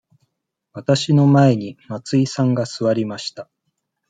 わたしの前に松井さんが座りました。